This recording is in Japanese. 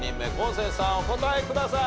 生さんお答えください。